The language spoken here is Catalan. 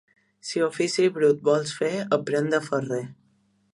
Si ofici brut vols fer, aprèn de ferrer.